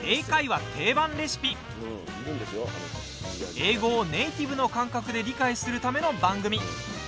英語をネイティブの感覚で理解するための番組。